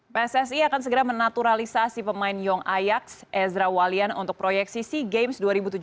pssi akan segera menaturalisasi pemain yong ayaks ezra walian untuk proyeksi sea games dua ribu tujuh belas